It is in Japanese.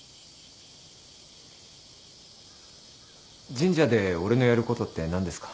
神社で俺のやることって何ですか？